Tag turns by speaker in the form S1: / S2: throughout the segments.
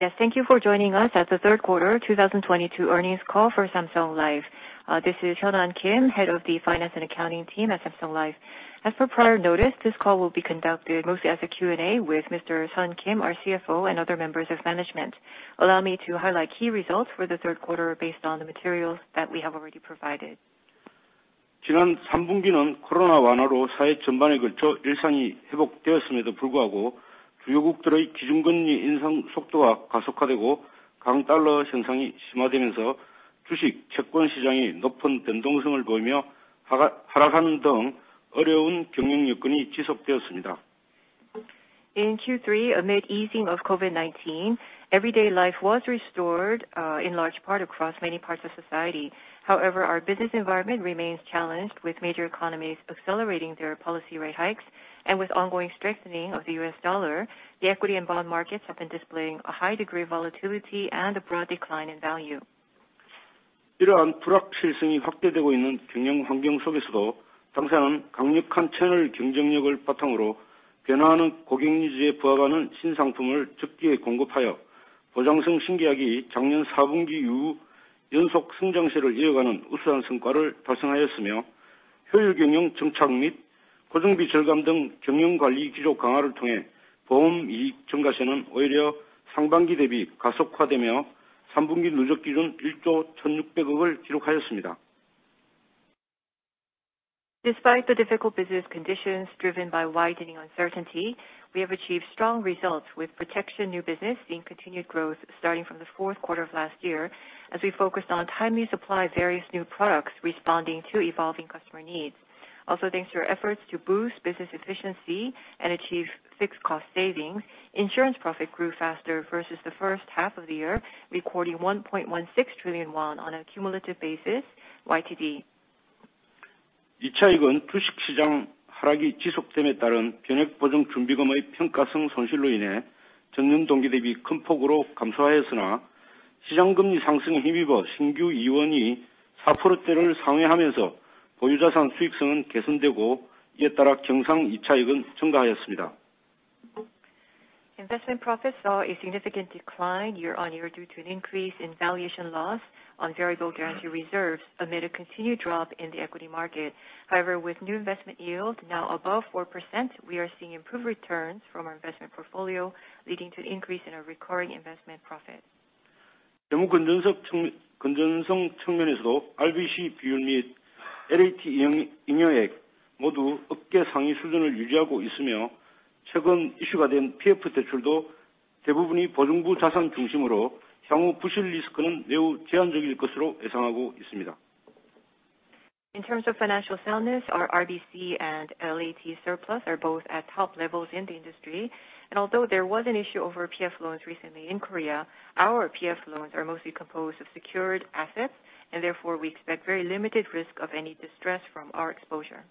S1: Yes, thank you for joining us at the third quarter 2022 earnings call for Samsung Life Insurance. This is Shonan Kim, head of the Finance and Accounting team at Samsung Life. As per prior notice, this call will be conducted mostly as a Q&A with Mr. Dae‑Hwan Kim, our CFO, and other members of management. Allow me to highlight key results for the third quarter based on the materials that we have already provided.
S2: In Q3, amid easing of COVID-19, everyday life was restored in large part across many parts of society. However, our business environment remains challenged with major economies accelerating their policy rate hikes and with ongoing strengthening of the U.S. dollar, the equity and bond markets have been displaying a high degree of volatility and a broad decline in value.
S1: Despite the difficult business conditions driven by widening uncertainty, we have achieved strong results with protection new business seeing continued growth starting from the fourth quarter of last year, as we focused on timely supply of various new products responding to evolving customer needs. Thanks to our efforts to boost business efficiency and achieve fixed cost savings, insurance profit grew faster versus the first half of the year, recording 1.16 trillion won on a cumulative basis YTD. Investment profits saw a significant decline year-on-year due to an increase in valuation loss on variable guarantee reserves amid a continued drop in the equity market. However, with new investment yield now above 4%, we are seeing improved returns from our investment portfolio, leading to an increase in our recurring investment profit.
S2: In terms of financial soundness, our RBC and LAT surplus are both at top levels in the industry. Although there was an issue over PF loans recently in Korea, our PF loans are mostly composed of secured assets and therefore we expect very limited risk of any distress from our exposure.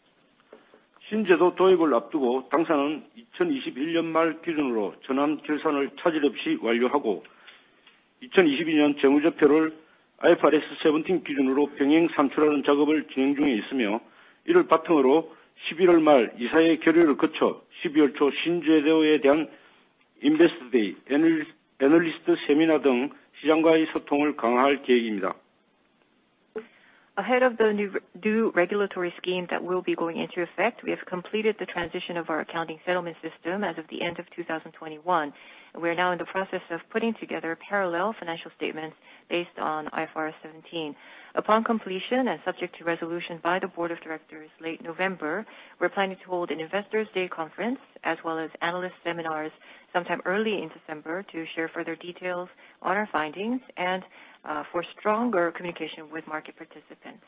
S2: Ahead of the new regulatory scheme that will be going into effect, we have completed the transition of our accounting settlement system as of the end of 2021. We are now in the process of putting together parallel financial statements based on IFRS 17. Upon completion, and subject to resolution by the board of directors late November, we're planning to hold an investors' day conference as well as analyst seminars sometime early in December to share further details on our findings and for stronger communication with market participants.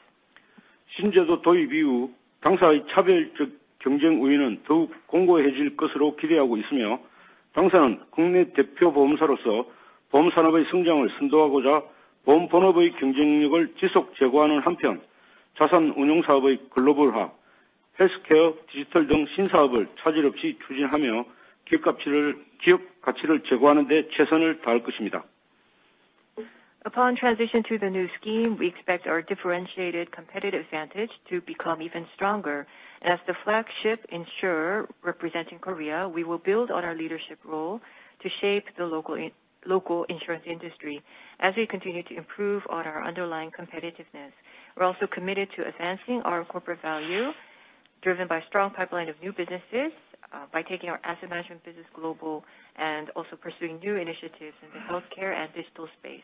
S2: Upon transition to the new scheme, we expect our differentiated competitive advantage to become even stronger. As the flagship insurer representing Korea, we will build on our leadership role to shape the local-in-local insurance industry as we continue to improve on our underlying competitiveness. We're also committed to advancing our corporate value driven by strong pipeline of new businesses, by taking our asset management business global and also pursuing new initiatives in the healthcare and digital space.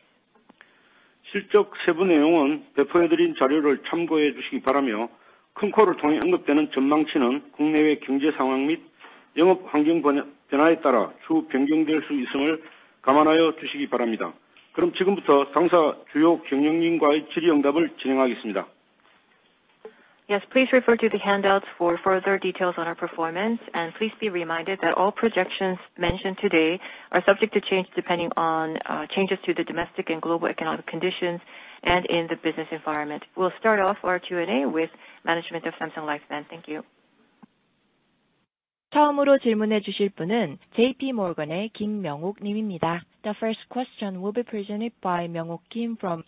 S2: Yes, please refer to the handouts for further details on our performance, and please be reminded that all projections mentioned today are subject to change depending on changes to the domestic and global economic conditions and in the business environment. We'll start off our Q&A with management of Samsung Life then. Thank you.
S3: The first question will be presented by MW Kim from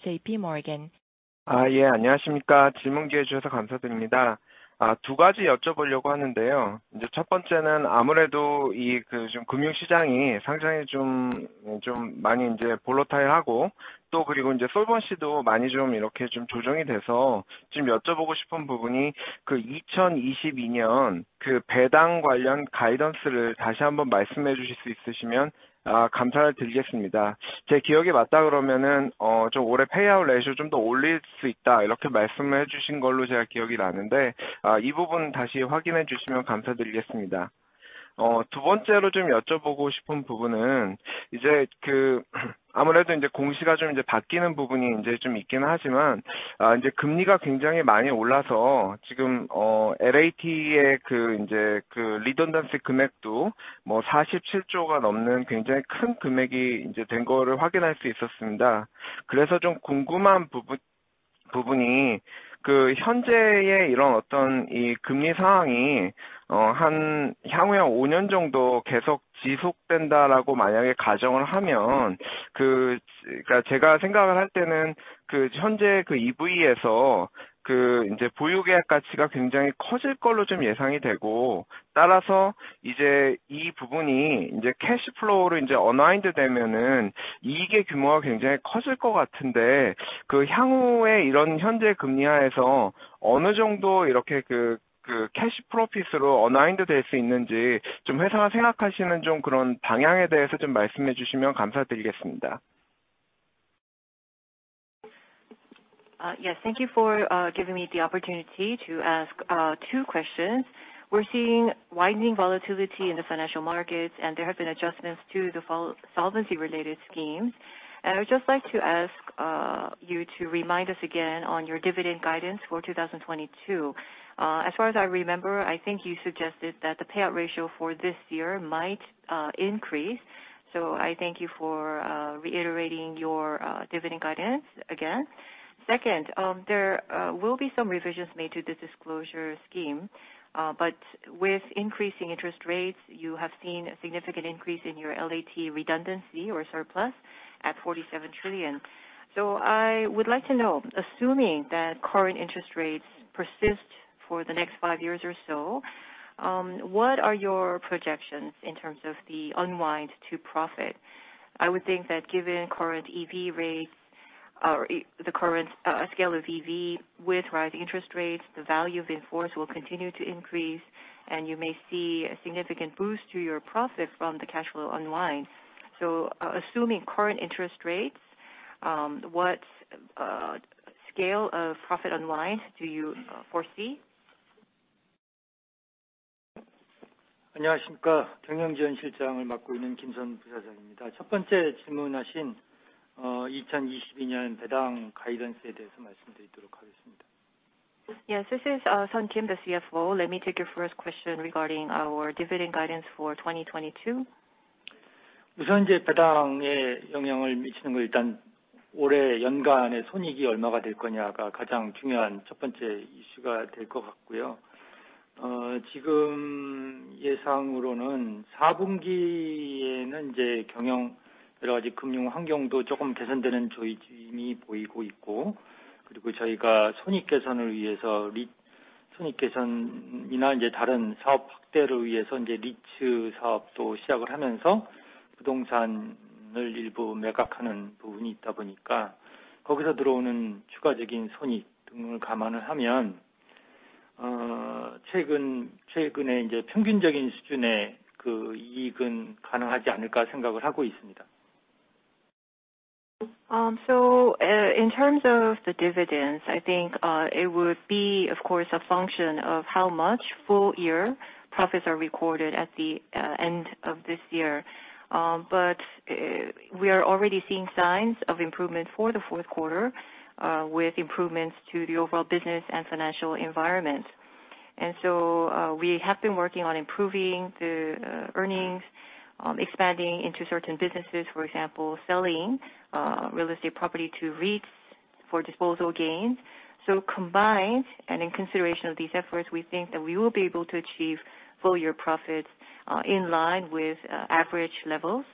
S3: JPMorgan.
S4: 안녕하십니까? 질문 기회 주셔서 감사드립니다. 두 가지 여쭤보려고 하는데요. 첫 번째는 금융 시장이 상당히 volatile하고 solvency도 많이 조정이 돼서 지금 여쭤보고 싶은 부분이 2022년 배당 관련 가이던스를 다시 한번 말씀해 주실 수 있으시면 감사드리겠습니다. 제 기억이 맞다 그러면 올해 payout ratio를 좀더 올릴 수 있다, 이렇게 말씀을 해주신 걸로 제가 기억이 나는데, 이 부분 다시 확인해 주시면 감사드리겠습니다. 두 번째로 여쭤보고 싶은 부분은 공시가 좀 바뀌는 부분이 있긴 하지만, 금리가 굉장히 많이 올라서 LAT의 redundancy 금액도 47조가 넘는 굉장히 큰 금액이 된 거를 확인할 수 있었습니다. 궁금한 부분이 현재의 이런 금리 상황이 향후에 한 5년 정도 계속 지속된다고 만약에 가정을 하면, 현재 EV에서 보유계약 가치가 굉장히 커질 걸로 예상이 되고, 따라서 이 부분이 cash flow로 unwind되면 이익의 규모가 굉장히 커질 것 같은데, 향후에 이런 현재 금리 하에서 어느 정도 cash profit으로 unwind될 수 있는지 회사가 생각하시는 방향에 대해서 말씀해 주시면 감사드리겠습니다. Yes. Thank you for giving me the opportunity to ask two questions. We're seeing widening volatility in the financial markets, and there have been adjustments to the solvency-related schemes. I would just like to ask you to remind us again on your dividend guidance for 2022. As far as I remember, I think you suggested that the payout ratio for this year might increase. I thank you for reiterating your dividend guidance again. Second, there will be some revisions made to the disclosure scheme. With increasing interest rates, you have seen a significant increase in your LAT redundancy or surplus at 47 trillion. I would like to know, assuming that current interest rates persist for the next five years or so, what are your projections in terms of the unwind to profit? I would think that given current EV rates or the current scale of EV with rising interest rates, the value of in-force will continue to increase, and you may see a significant boost to your profit from the cash flow unwind. Assuming current interest rates, what scale of profit unwind do you foresee?
S2: 안녕하십니까? 경영지원실장을 맡고 있는 김선 부사장입니다. 첫 번째 질문하신 2022년 배당 가이던스에 대해서 말씀드리도록 하겠습니다. Yes, this is Dae-Hwan Kim, the CFO. Let me take your first question regarding our dividend guidance for 2022. 우선 배당에 영향을 미치는 건 일단 올해 연간의 손익이 얼마가 될 거냐가 가장 중요한 첫 번째 이슈가 될것 같고요. 지금 예상으로는 4분기에는 경영, 여러 가지 금융 환경도 조금 개선되는 조짐이 보이고 있고, 저희가 손익 개선이나 다른 사업 확대를 위해서 REITs 사업도 시작을 하면서 부동산을 일부 매각하는 부분이 있다 보니까, 거기서 들어오는 추가적인 손익 등을 감안을 하면 최근의 평균적인 수준의 이익은 가능하지 않을까 생각을 하고 있습니다. In terms of the dividends, I think it would be, of course, a function of how much full-year profits are recorded at the end of this year. We are already seeing signs of improvement for the fourth quarter with improvements to the overall business and financial environment. We have been working on improving the earnings, expanding into certain businesses, for example, selling real estate property to REITs for disposal gains. Combined and in consideration of these efforts, we think that we will be able to achieve full-year profits in line with average levels.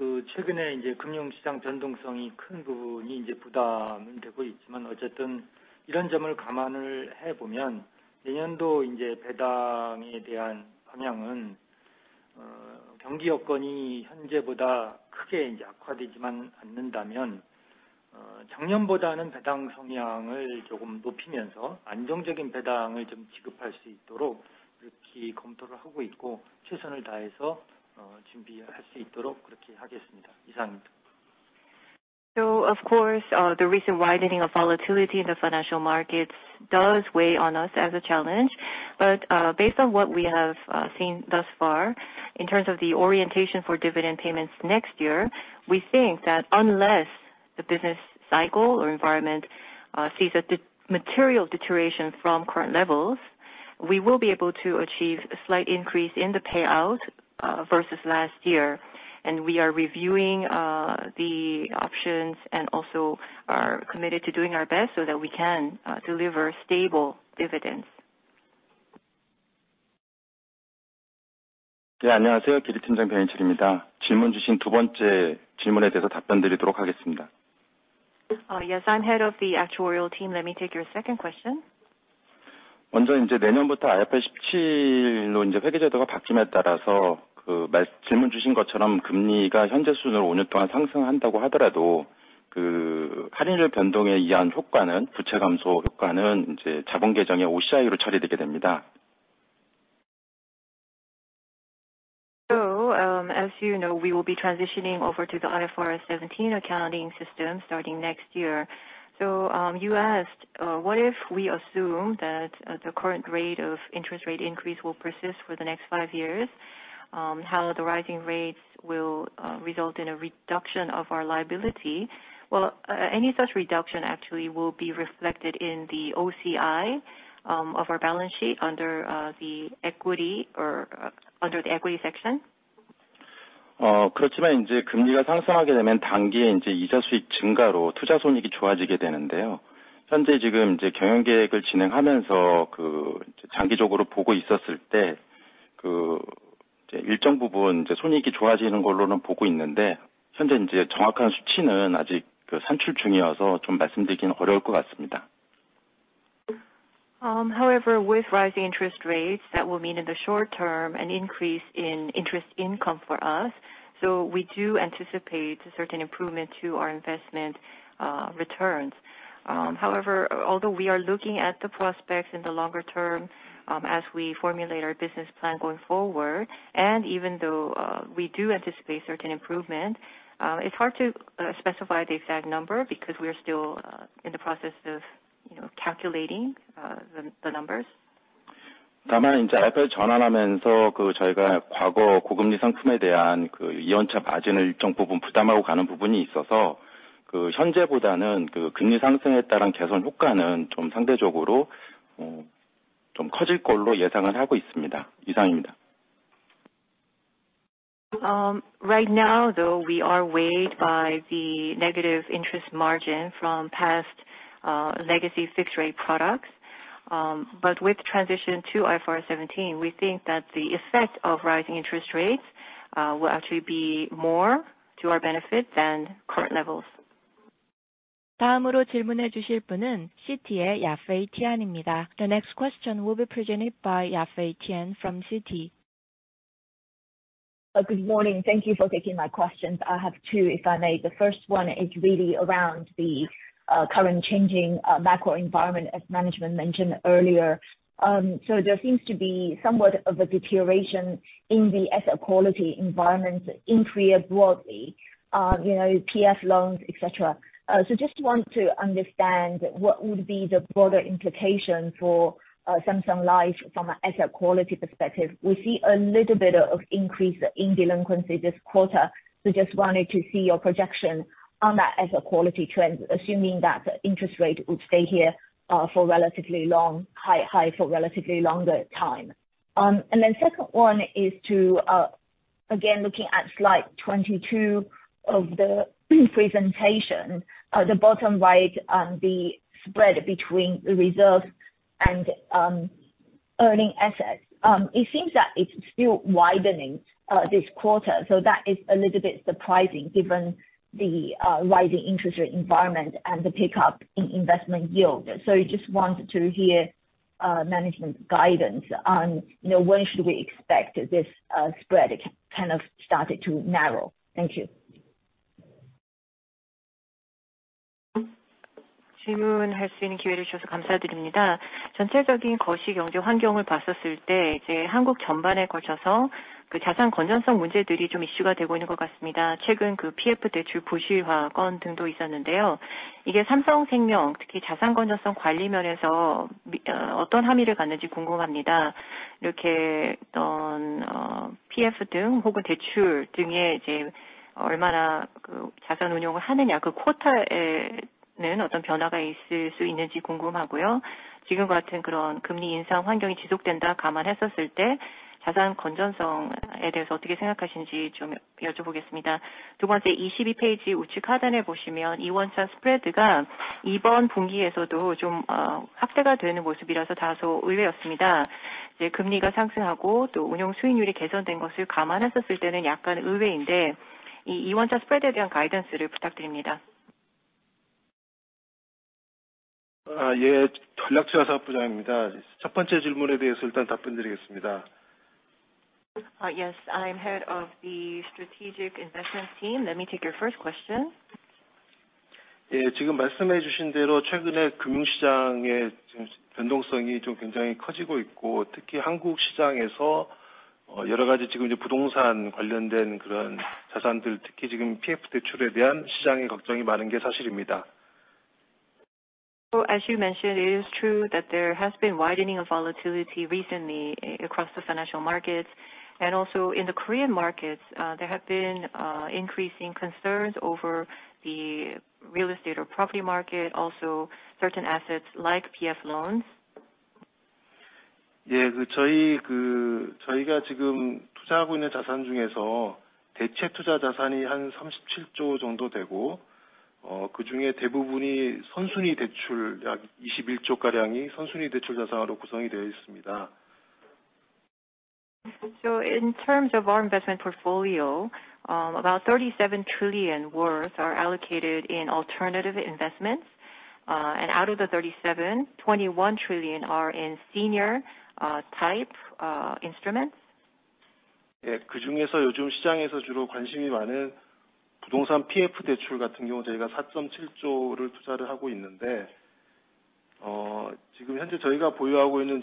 S2: 물론 최근의 금융시장 변동성이 큰 부분이 부담은 되고 있지만, 어쨌든 이런 점을 감안해보면 내년도 배당에 대한 방향은, 경기 여건이 현재보다 크게 악화되지만 않는다면, 작년보다는 배당 성향을 조금 높이면서 안정적인 배당을 지급할 수 있도록 검토를 하고 있고, 최선을 다해서 준비할 수 있도록 하겠습니다. 이상입니다. Of course, the recent widening of volatility in the financial markets does weigh on us as a challenge. Based on what we have seen thus far in terms of the orientation for dividend payments next year, we think that unless the business cycle or environment sees a material deterioration from current levels, we will be able to achieve a slight increase in the payout versus last year. We are reviewing the options and also are committed to doing our best so that we can deliver stable dividends.
S5: 네, 안녕하세요. 기계팀장 변인철입니다. 질문 주신 두 번째 질문에 대해서 답변드리도록 하겠습니다. Yes, I'm head of the actuarial team. Let me take your second question. 먼저 내년부터 IFRS 17로 회계제도가 바뀜에 따라서 질문 주신 것처럼 금리가 현재 수준을 5년 동안 상승한다고 하더라도 그 할인율 변동에 의한 효과는 부채 감소 효과는 자본계정의 OCI로 처리되게 됩니다. As you know, we will be transitioning over to the IFRS 17 accounting system starting next year. You asked, what if we assume that the current rate of interest rate increase will persist for the next five years? How the rising rates will result in a reduction of our liability? Well, any such reduction actually will be reflected in the OCI of our balance sheet under the equity or under the equity section. 그렇지만 금리가 상승하게 되면 단기에 이자 수익 증가로 투자 손익이 좋아지게 되는데요. 현재 경영 계획을 진행하면서 장기적으로 보고 있었을 때 일정 부분 손익이 좋아지는 걸로는 보고 있는데, 현재 정확한 수치는 아직 산출 중이어서 말씀드리기는 어려울 것 같습니다. However, with rising interest rates, that will mean in the short term an increase in interest income for us. We do anticipate a certain improvement to our investment returns. However, although we are looking at the prospects in the longer term, as we formulate our business plan going forward, and even though we do anticipate certain improvement, it's hard to specify the exact number because we are still in the process of, you know, calculating the numbers. 다만 IFRS 전환하면서 저희가 과거 고금리 상품에 대한 이원차 마진을 일정 부분 부담하고 가는 부분이 있어서 현재보다는 금리 상승에 따른 개선 효과는 좀 상대적으로 좀 커질 걸로 예상을 하고 있습니다. 이상입니다. Right now, though, we are weighed by the negative interest margin from past legacy fixed rate products. With transition to IFRS 17, we think that the effect of rising interest rates will actually be more to our benefit than current levels.
S3: 다음으로 질문해 주실 분은 씨티의 야페이티안입니다. The next question will be presented by Yafei Tian from Citi.
S6: Good morning. Thank you for taking my questions. I have two, if I may. The first one is really around the current changing macro environment, as management mentioned earlier. There seems to be somewhat of a deterioration in the asset quality environment in Korea broadly, you know, PF loans, etc. Just want to understand what would be the broader implication for Samsung Life from a asset quality perspective. We see a little bit of increase in delinquency this quarter. Just wanted to see your projection on that asset quality trend, assuming that interest rate would stay here for relatively long, high for relatively longer time. Second one is to again looking at slide 22 of the presentation, the bottom right on the spread between reserves and earning assets. It seems that it's still widening this quarter. That is a little bit surprising given the rising interest rate environment and the pickup in investment yield. Just want to hear management guidance on, you know, when should we expect this spread kind of started to narrow. Thank you.
S7: 질문할 수 있는 기회를 주셔서 감사드립니다. 전체적인 거시경제 환경을 봤을 때 한국 전반에 걸쳐서 자산 건전성 문제들이 좀 이슈가 되고 있는 것 같습니다. 최근 PF 대출 부실화 건 등도 있었는데요. 이게 삼성생명, 특히 자산 건전성 관리 면에서 어떤 함의를 갖는지 궁금합니다. PF 등 혹은 대출 등에 얼마나 자산 운용을 하느냐, 그 quota에 있는 어떤 변화가 있을 수 있는지 궁금하고요. 지금과 같은 금리 인상 환경이 지속된다 감안했을 때 자산 건전성에 대해서 어떻게 생각하시는지 여쭤보겠습니다. 두 번째, 22페이지 우측 하단에 보시면 이원차 spread가 이번 분기에서도 좀 확대가 되는 모습이라서 다소 의외였습니다. 금리가 상승하고 또 운용수익률이 개선된 것을 감안했을 때는 약간 의외인데, 이 이원차 spread에 대한 guidance를 부탁드립니다.
S8: 아, 예. 전략사업부장입니다. 첫 번째 질문에 대해서 일단 답변드리겠습니다. Yes. I'm head of the Strategic Investments team. Let me take your first question. 지금 말씀해 주신 대로 최근에 금융시장의 변동성이 굉장히 커지고 있고, 특히 한국 시장에서 여러 가지 부동산 관련된 자산들, 특히 PF 대출에 대한 시장의 걱정이 많은 게 사실입니다. As you mentioned, it is true that there has been widening of volatility recently across the financial markets. In the Korean markets, there have been increasing concerns over the real estate or property market. Certain assets like PF loans. 저희가 지금 투자하고 있는 자산 중에서 대체투자자산이 한 37조 정도 되고 In terms of our investment portfolio, about KRW 37 trillion worth are allocated in alternative investments. Out of the KRW 37 trillion, KRW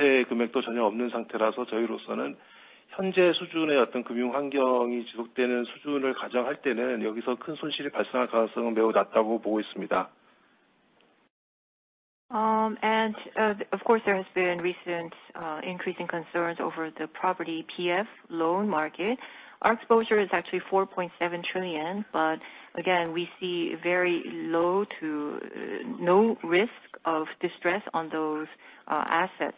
S8: 21 trillion are in senior type instruments. Of course, there has been recent increasing concerns over the property PF loan market. Our exposure is actually 4.7 trillion. Again, we see very low to no risk of distress on those assets.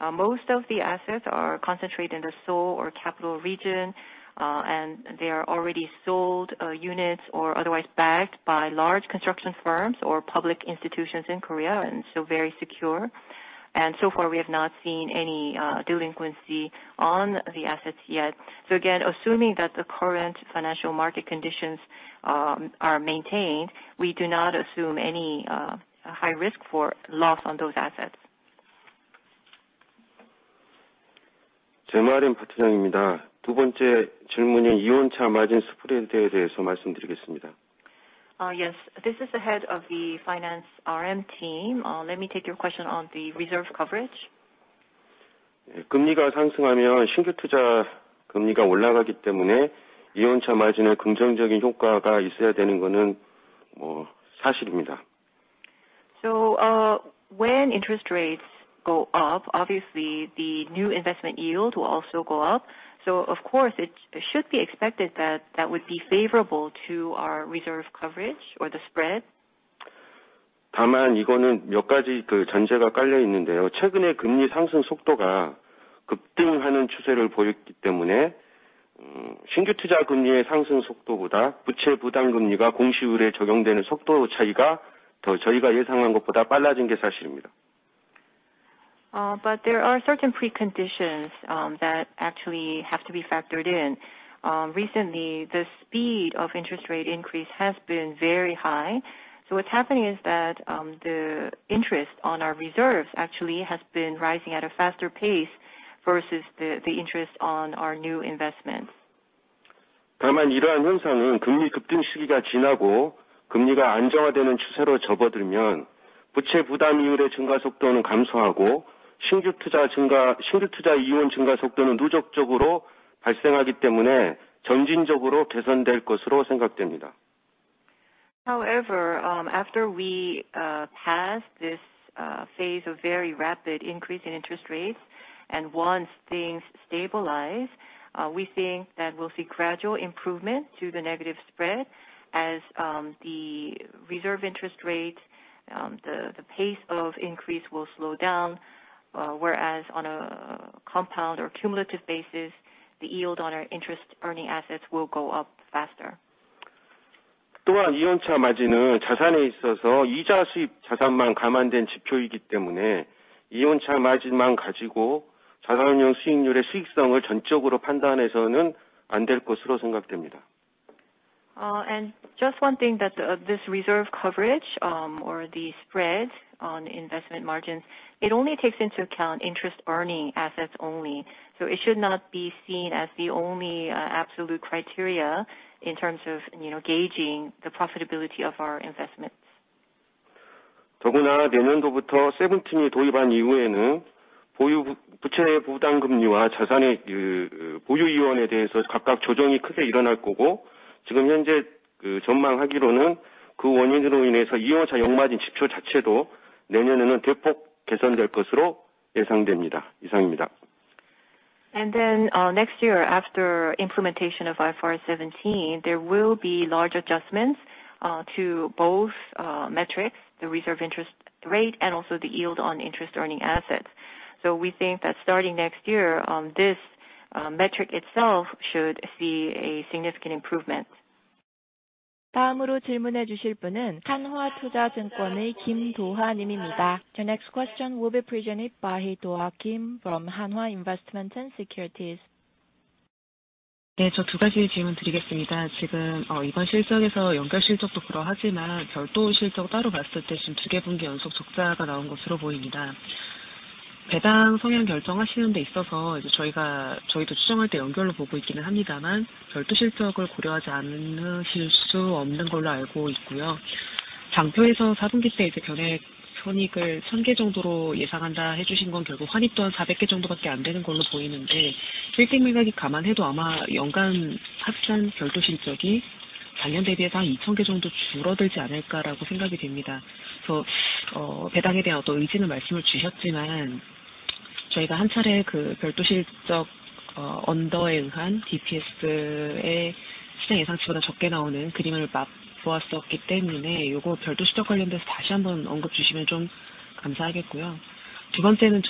S8: Most of the assets are concentrated in the Seoul or capital region, and they are already sold units or otherwise backed by large construction firms or public institutions in Korea, and so very secure. So far, we have not seen any delinquency on the assets yet. Again, assuming that the current financial market conditions are maintained, we do not assume any high risk for loss on those assets.
S1: Yes. This is the head of the finance RM team. Let me take your question on the reserve coverage. When interest rates go up, obviously the new investment yield will also go up. Of course it should be expected that that would be favorable to our reserve coverage or the spread. There are certain preconditions that actually have to be factored in. Recently, the speed of interest rate increase has been very high. What's happening is that the interest on our reserves actually has been rising at a faster pace versus the interest on our new investments.
S9: However, after we pass this phase of very rapid increase in interest rates and once things stabilize, we think that we'll see gradual improvement to the negative spread as the reserve interest rate, the pace of increase will slow down, whereas on a compound or cumulative basis, the yield on our interest-earning assets will go up faster. Just one thing that this reserve coverage or the spread on investment margins, it only takes into account interest-earning assets only. It should not be seen as the only absolute criteria in terms of, you know, gauging the profitability of our investments. Next year, after implementation of IFRS 17, there will be large adjustments to both metrics, the reserve interest rate, and also the yield on interest-earning assets. We think that starting next year, this metric itself should see a significant improvement.
S3: The next question will be presented by Doha Kim from Hanwha Investment & Securities.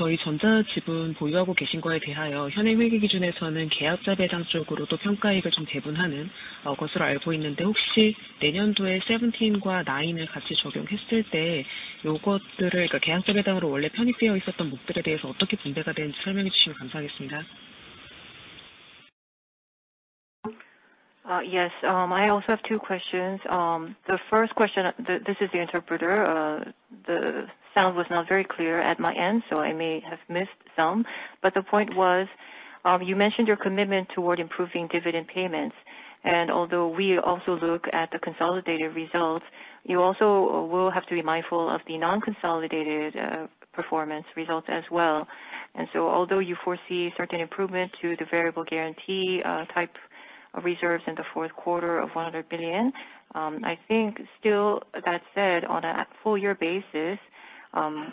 S10: Yes. I also have two questions. The first question, this is the interpreter. The sound was not very clear at my end, so I may have missed some. The point was, you mentioned your commitment toward improving dividend payments. Although we also look at the consolidated results, you also will have to be mindful of the non-consolidated performance results as well. Although you foresee certain improvement to the variable guarantee type of reserves in the fourth quarter of 100 billion, I think, with that said, on a full year basis,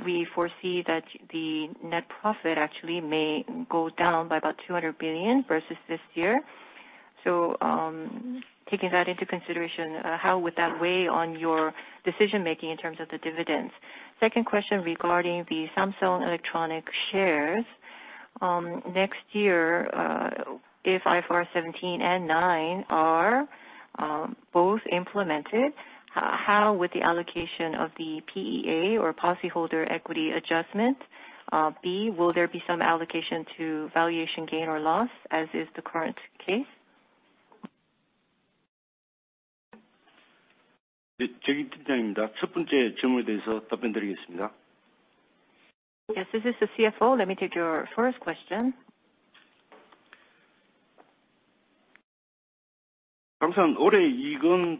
S10: we foresee that the net profit actually may go down by about 200 billion versus this year. Taking that into consideration, how would that weigh on your decision-making in terms of the dividends? Second question regarding the Samsung Electronics shares. Next year, if IFRS 17 and IFRS 9 are both implemented, how would the allocation of the PEA or policy holder equity adjustment be? Will there be some allocation to valuation gain or loss, as is the current case?
S2: Yes. This is the CFO. Let me take your first question. So again,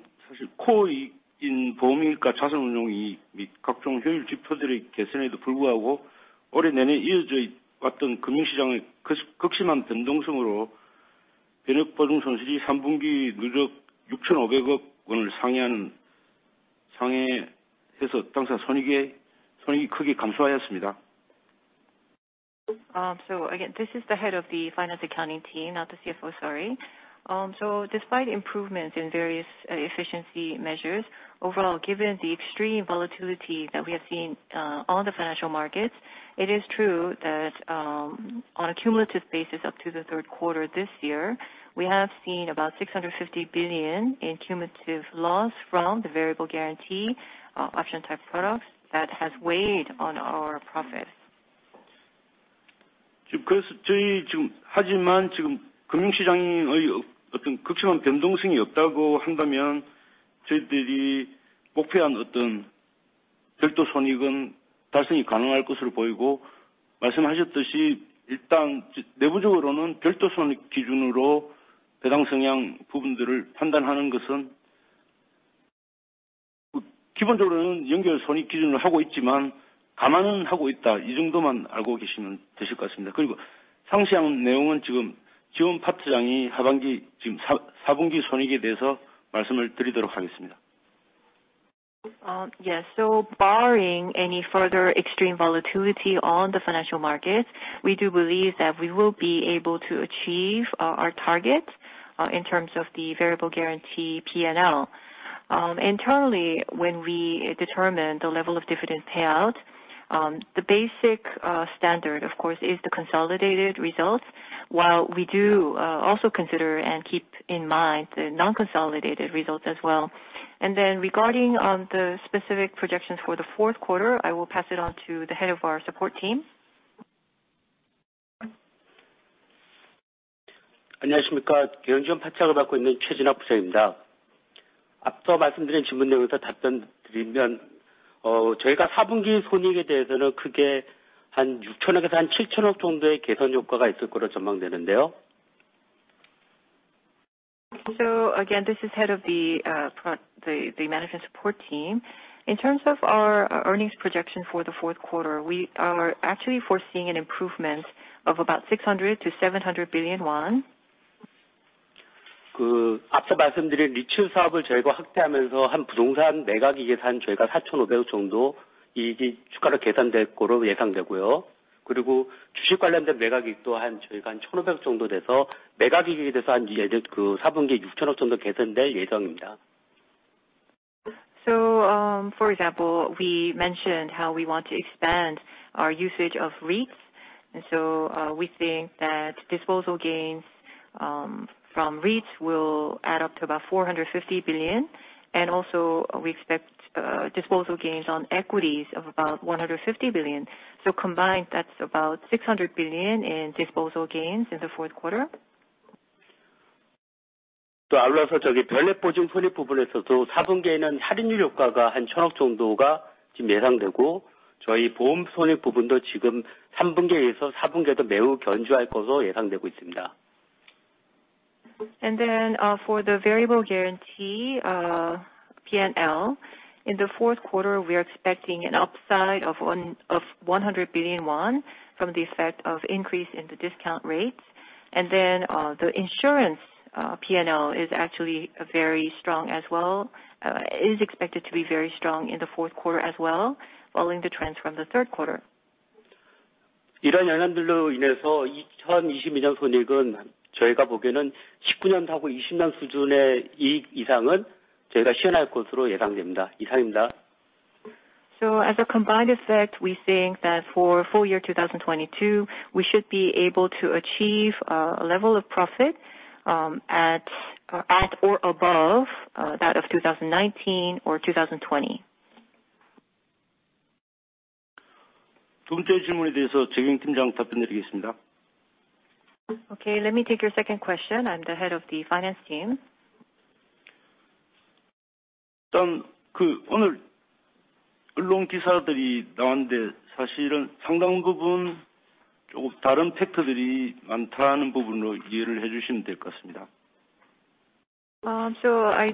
S2: this is the head of the finance accounting team, not the CFO. Sorry. So despite improvements in various efficiency measures, overall, given the extreme volatility that we have seen on the financial markets, it is true that, on a cumulative basis, up to the third quarter this year, we have seen about 650 billion in cumulative loss from the variable guarantee option type products that has weighed on our profit. Yes. Barring any further extreme volatility on the financial markets, we do believe that we will be able to achieve our target in terms of the variable guarantee PNL. Internally, when we determine the level of dividend payout, the basic standard of course is the consolidated results, while we do also consider and keep in mind the non-consolidated results as well. Regarding the specific projections for the fourth quarter, I will pass it on to the head of our support team. Again, this is the head of the management support team. In terms of our earnings projection for the fourth quarter, we are actually foreseeing an improvement of about 600 billion-700 billion won. For example, we mentioned how we want to expand our usage of REITs.
S1: We think that disposal gains from REITs will add up to about 450 billion. We expect disposal gains on equities of about 150 billion. Combined, that's about 600 billion in disposal gains in the fourth quarter. For the variable guarantee PNL in the fourth quarter, we are expecting an upside of 100 billion won from the effect of increase in the discount rates. The insurance PNL is actually very strong as well, is expected to be very strong in the fourth quarter as well, following the trends from the third quarter. As a combined effect, we think that for full year 2022, we should be able to achieve a level of profit at or above that of 2019 or 2020. Okay. Let me take your second question. I'm the head of the finance team. I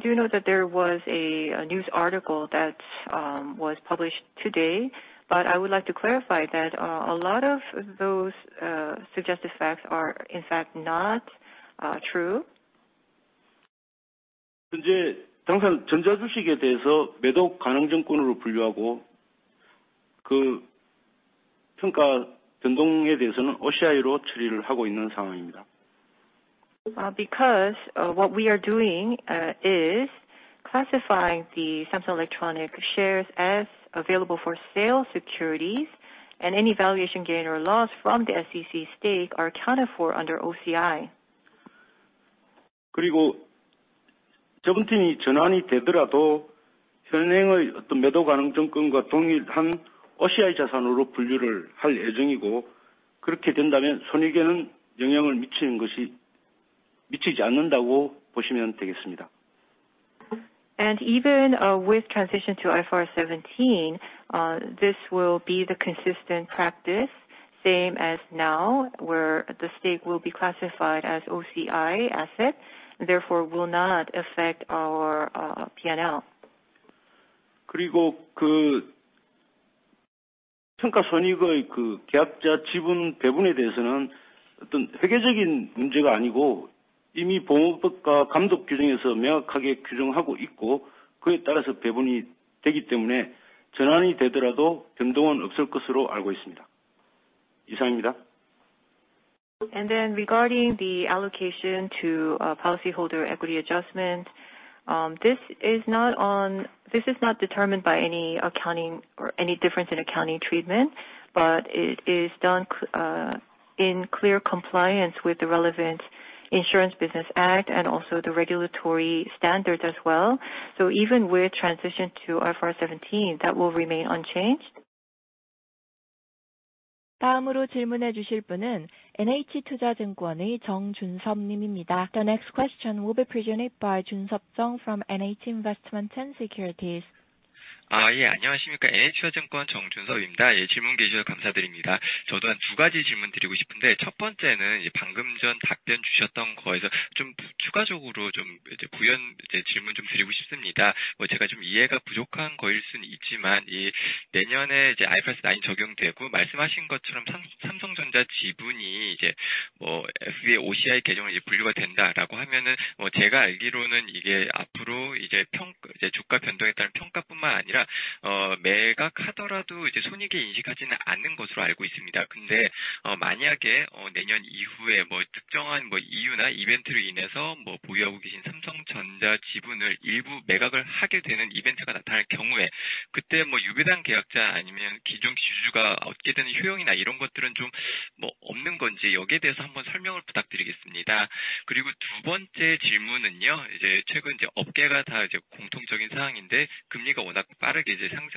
S1: do know that there was a news article that was published today, but I would like to clarify that a lot of those suggested facts are in fact not true, because what we are doing is classifying the Samsung Electronics shares as available for sale securities and any valuation gain or loss from the SEC stake are accounted for under OCI. Even with transition to IFRS 17, this will be the consistent practice, same as now, where the stake will be classified as OCI asset, therefore will not affect our PNL. Regarding the allocation to policy holder equity adjustment, this is not determined by any accounting or any difference in accounting treatment, but it is done in clear compliance with the relevant Insurance Business Act and also the regulatory standards as well. Even with transition to IFRS 17, that will remain unchanged.
S3: The next question will be presented by Jun-Sup Jung from NH Investment &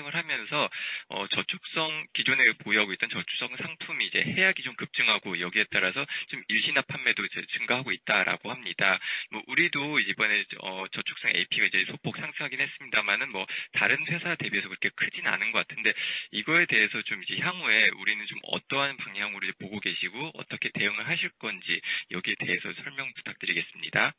S3: Securities.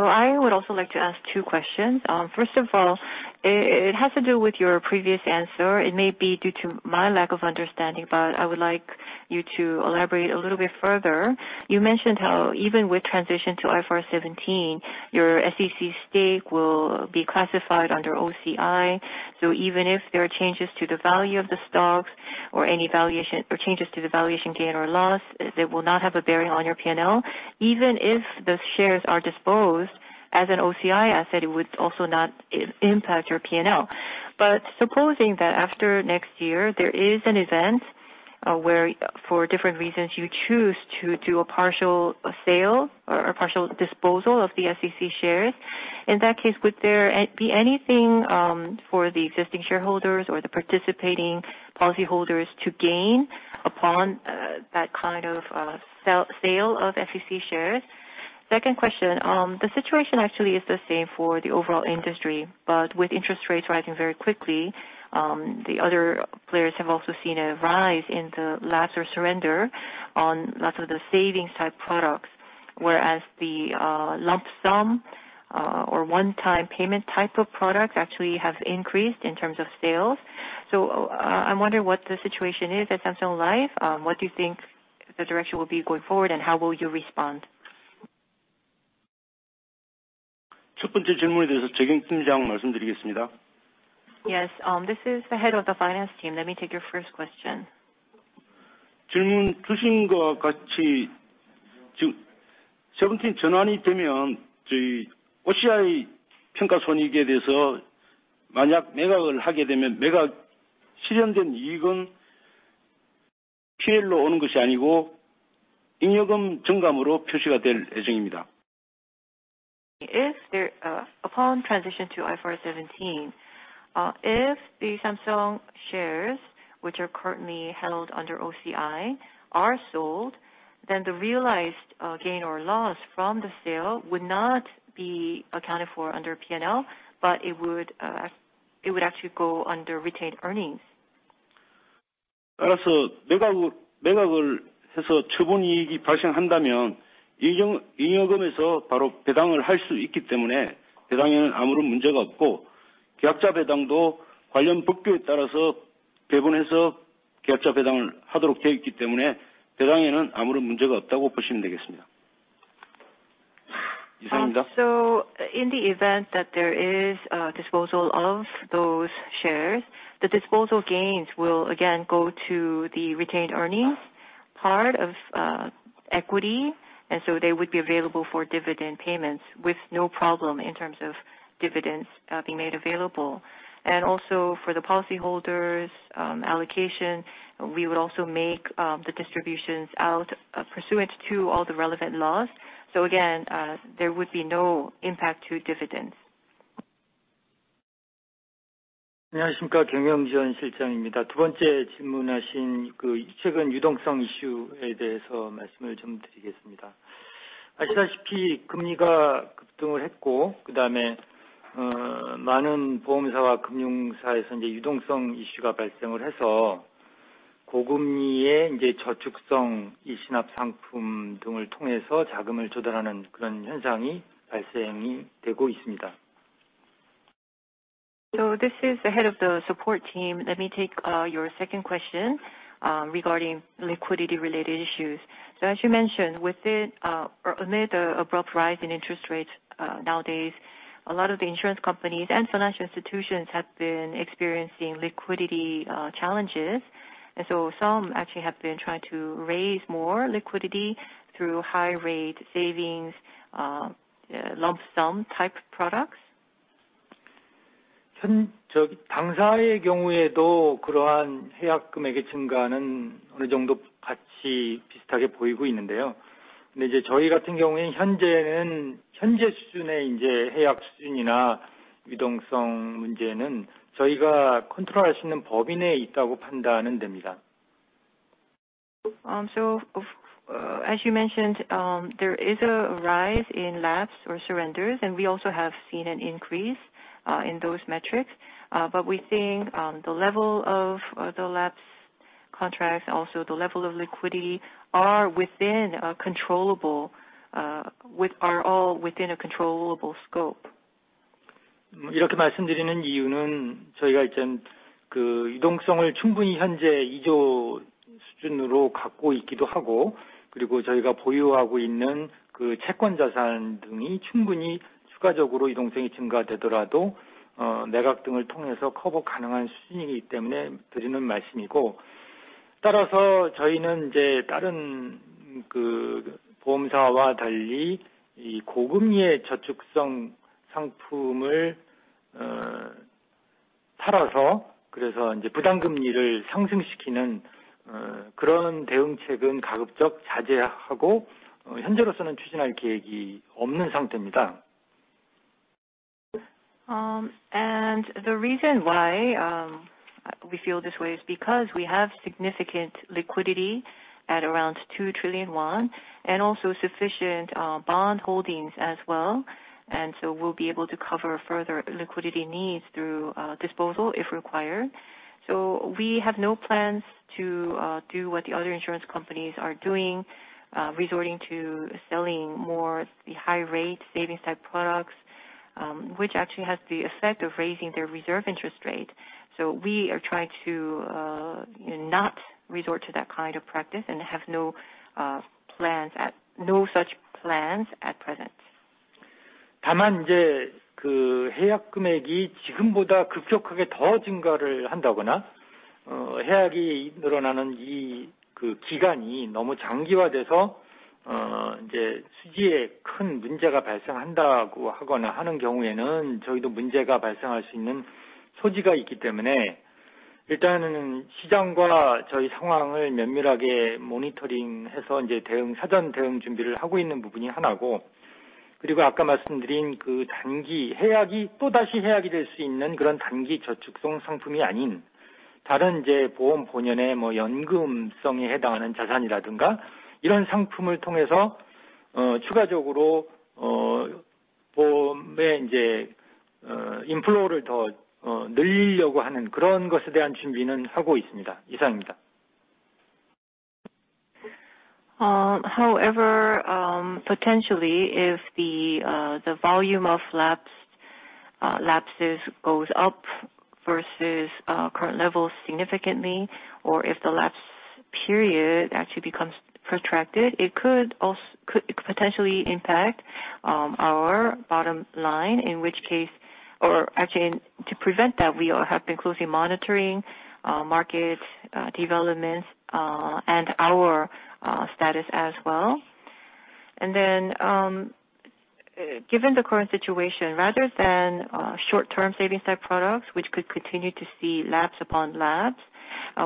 S11: I would also like to ask two questions. First of all, it has to do with your previous answer. It may be due to my lack of understanding, but I would like you to elaborate a little bit further. You mentioned how even with transition to IFRS 17, your SEC stake will be classified under OCI. Even if there are changes to the value of the stocks or any valuation or changes to the valuation gain or loss, it will not have a bearing on your PNL. Even if the shares are disposed as an OCI asset, it would also not impact your PNL. Supposing that after next year, there is an event where for different reasons you choose to do a partial sale or partial disposal of the SEC shares. In that case, would there be anything for the existing shareholders or the participating policy holders to gain upon that kind of sale of SEC shares? Second question. The situation actually is the same for the overall industry, but with interest rates rising very quickly, the other players have also seen a rise in the lapse or surrender on lots of the savings type products. Whereas the lump sum or one time payment type of products actually have increased in terms of sales. I'm wondering what the situation is at Samsung Life. What do you think the direction will be going forward, and how will you respond?
S1: Yes. This is the head of the finance team. Let me take your first question. Upon transition to IFRS 17, if the Samsung shares, which are currently held under OCI, are sold, then the realized gain or loss from the sale would not be accounted for under PNL, but it would actually go under retained earnings. In the event that there is disposal of those shares, the disposal gains will again go to the retained earnings, part of equity. They would be available for dividend payments with no problem in terms of dividends being made available. For the policyholders allocation, we would also make the distributions out pursuant to all the relevant laws. There would be no impact to dividends. This is the head of the support team. Let me take your second question regarding liquidity related issues. As you mentioned, or amid the abrupt rise in interest rates, nowadays, a lot of the insurance companies and financial institutions have been experiencing liquidity challenges. Some actually have been trying to raise more liquidity through high rate savings, lump sum type products. As you mentioned, there is a rise in lapse or surrenders, and we also have seen an increase in those metrics. We think the level of the lapsed contracts, also the level of liquidity are all within a controllable scope. The reason why we feel this way is because we have significant liquidity at around 2 trillion won and also sufficient bond holdings as well. We'll be able to cover further liquidity needs through disposal if required. We have no plans to do what the other insurance companies are doing, resorting to selling more high rate savings type products, which actually has the effect of raising their reserve interest rate. We are trying to not resort to that kind of practice and have no such plans at present. However, potentially if the volume of lapses goes up versus current levels significantly or if the lapse period actually becomes protracted, it could potentially impact our bottom line, in which case or actually to prevent that, we have been closely monitoring market developments and our status as well. Given the current situation, rather than short-term savings type products, which could continue to see lapse upon lapse,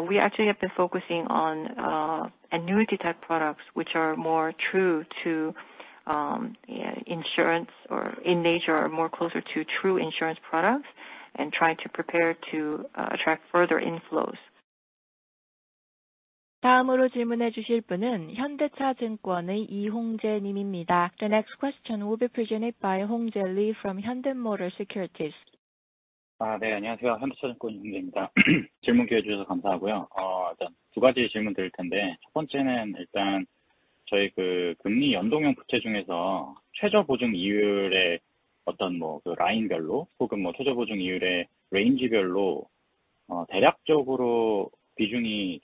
S1: we actually have been focusing on annuity type products which are more true to insurance in nature are more closer to true insurance products and trying to prepare to attract further inflows.
S3: The next question will be presented by Hong-Jae Lee from Hyundai Motor Securities.
S12: Yeah.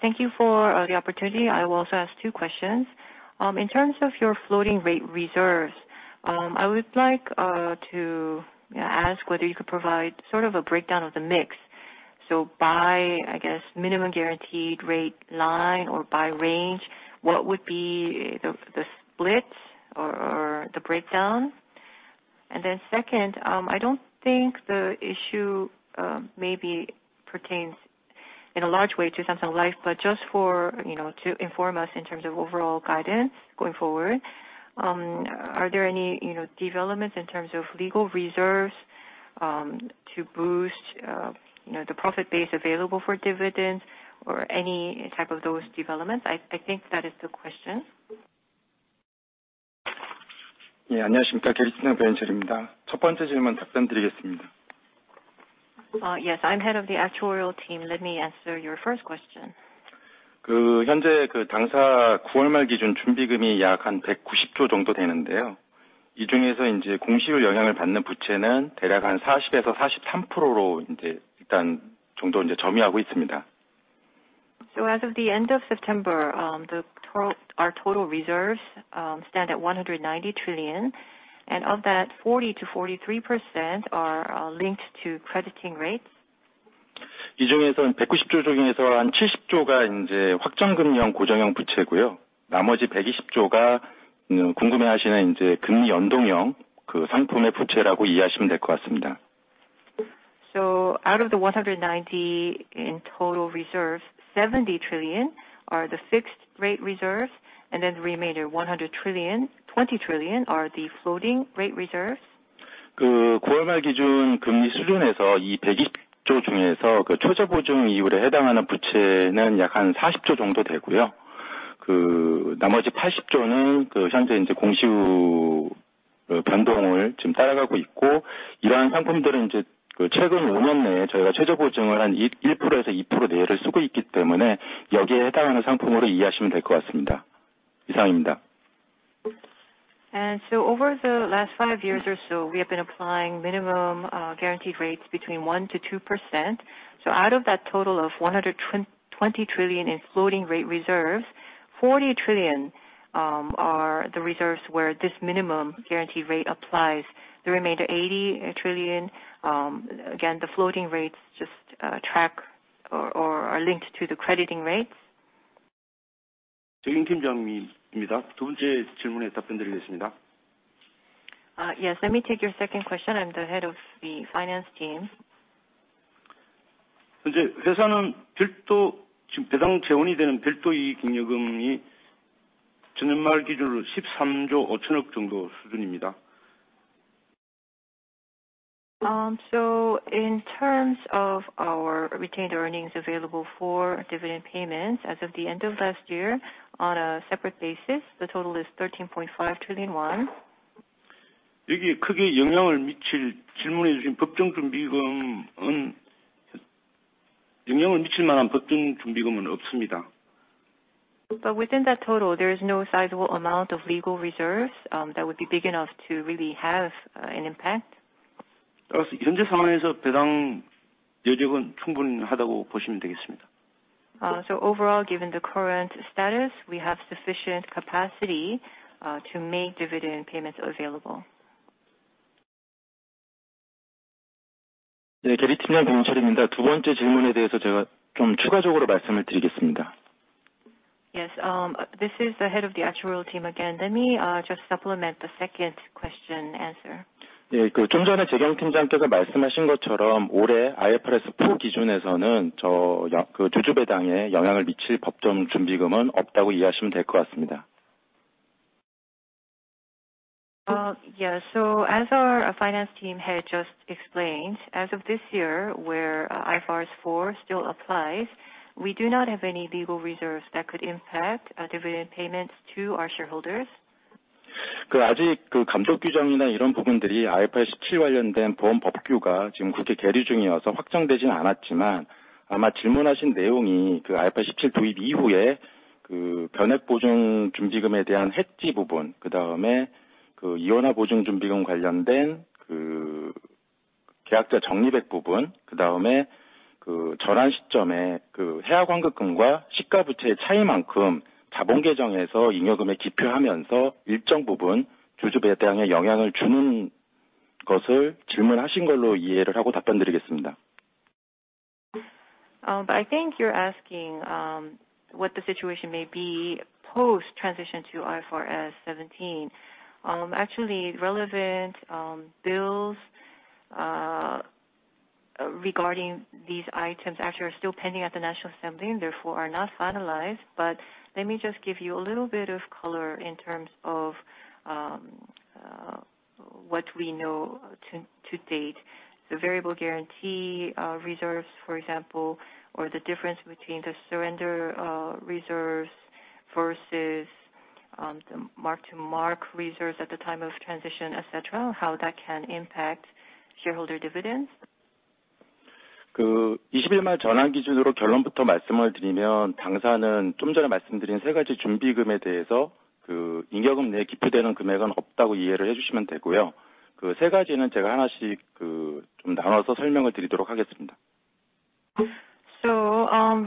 S12: Thank you for the opportunity. I will also ask two questions. In terms of your floating rate reserves, I would like to ask whether you could provide sort of a breakdown of the mix. By, I guess, minimum guaranteed rate line or by range, what would be the split or the breakdown? Second, I don't think the issue maybe pertains in a large way to Samsung Life, but just for, you know, to inform us in terms of overall guidance going forward, are there any, you know, developments in terms of legal reserves to boost, you know, the profit base available for dividends or any type of those developments? I think that is the question.
S5: Yes. I'm Head of the Actuarial Team. Let me answer your first question. As of the end of September, our total reserves stand at 190 trillion, and of that 40%-43% are linked to crediting rates. Out of the KRW 190 trillion in total reserves, 70 trillion are the fixed rate reserves, and then the remainder 120 trillion are the floating rate reserves. Over the last five years or so, we have been applying minimum guaranteed rates between 1%-2%. Out of that total of 120 trillion in floating rate reserves, 40 trillion are the reserves where this minimum guarantee rate applies. The remainder 80 trillion, again, the floating rates just track or are linked to the crediting rates.
S1: Yes. Let me take your second question. I'm the head of the finance team. In terms of our retained earnings available for dividend payments as of the end of last year on a separate basis, the total is 13.5 trillion won. Within that total, there is no sizable amount of legal reserves that would be big enough to really have an impact. Overall, given the current status, we have sufficient capacity to make dividend payments available.
S5: Yes, this is the head of the actuarial team again. Let me just supplement the second question answer. Yeah. As our finance team had just explained, as of this year where IFRS 4 still applies, we do not have any legal reserves that could impact dividend payments to our shareholders. I think you're asking what the situation may be post transition to IFRS 17. Actually, relevant bills regarding these items actually are still pending at the National Assembly and therefore are not finalized. But let me just give you a little bit of color in terms of what we know to date. The variable guarantee reserves, for example, or the difference between the surrender reserves versus mark-to-market reserves at the time of transition, et cetera, how that can impact shareholder dividends.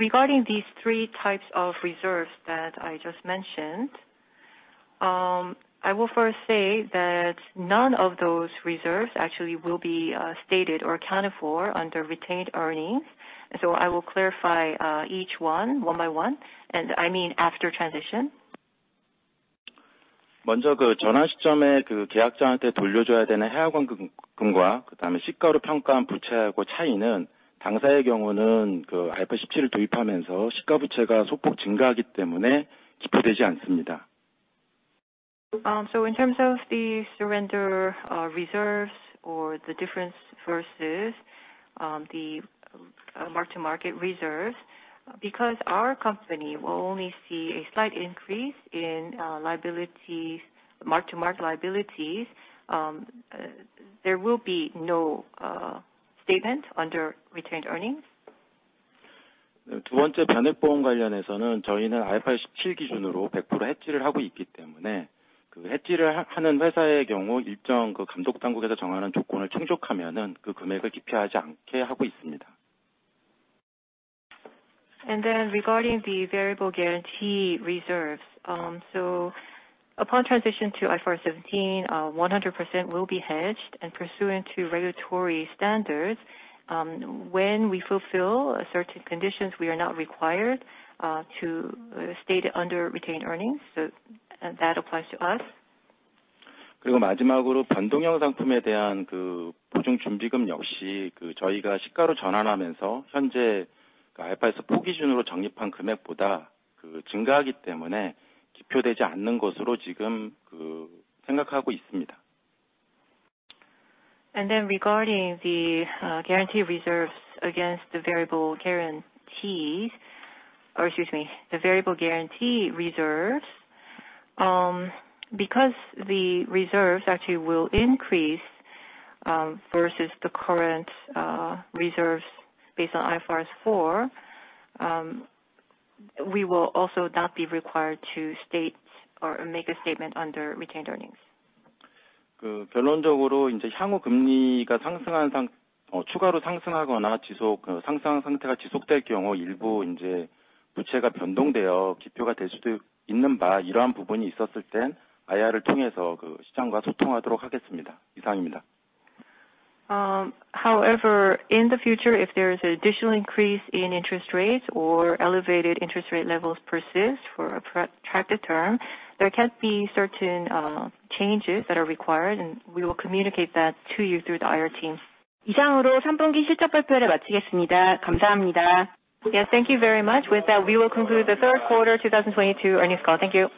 S5: Regarding these three types of reserves that I just mentioned, I will first say that none of those reserves actually will be stated or accounted for under retained earnings. I will clarify each one by one, and I mean after transition. In terms of the surrender reserves or the difference versus the mark-to-market reserves, because our company will only see a slight increase in liabilities, mark-to-market liabilities, there will be no statement under retained earnings. Regarding the variable guarantee reserves. Upon transition to IFRS 17, 100% will be hedged and pursuant to regulatory standards, when we fulfill certain conditions, we are not required to state under retained earnings. That applies to us. Regarding the guarantee reserves against the variable guarantees, or excuse me, the variable guarantee reserves. Because the reserves actually will increase versus the current reserves based on IFRS 4, we will also not be required to state or make a statement under retained earnings. However, in the future, if there is additional increase in interest rates or elevated interest rate levels persist for a protracted term, there can be certain changes that are required, and we will communicate that to you through the IR team.
S3: Yes, thank you very much. With that, we will conclude the third quarter 2022 earnings call. Thank you.